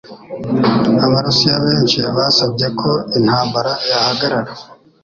Abarusiya benshi basabye ko intambara yahagarara.